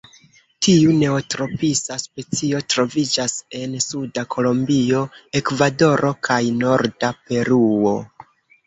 Tiu neotropisa specio troviĝas en suda Kolombio, Ekvadoro kaj norda Peruo.